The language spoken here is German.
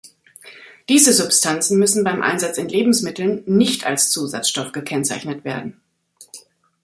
Diese Substanzen müssen beim Einsatz in Lebensmitteln nicht als Zusatzstoff gekennzeichnet werden.